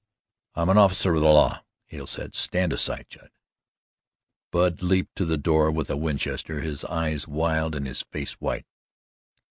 "I'm an officer of the law," Hale said, "stand aside, Judd!" Bub leaped to the door with a Winchester his eyes wild and his face white.